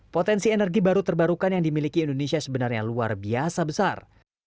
potensi energi baru terbarukan yang dimiliki indonesia sebenarnya luar biasa besar